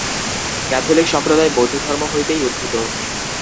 Catholic সম্প্রদায় বৌদ্ধধর্ম হইতেই উদ্ভূত।